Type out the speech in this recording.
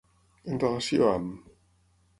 En relació amb.